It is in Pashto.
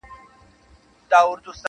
o زما څه ليري له ما پاته سول خواږه ملګري,